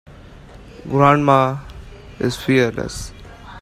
Grandma is fearless.